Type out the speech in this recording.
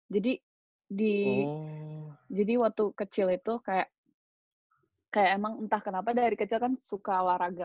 jadi di jadi waktu kecil itu kayak kayak emang entah kenapa dari kecil kan suka waraga